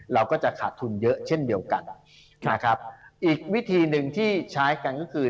เราก็จะขาดทุนเยอะเช่นเดียวกันนะครับอีกวิธีหนึ่งที่ใช้กันก็คือ